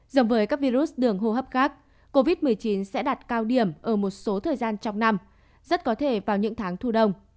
giống với các virus đường hô hấp khác covid một mươi chín sẽ đạt cao điểm ở một số thời gian trong năm rất có thể vào những tháng thu đông